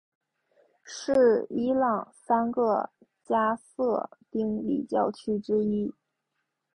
是伊朗三个加色丁礼教区之一。